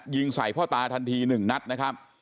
ยิงใส่พ่อตาทันที๑นัดนะครับ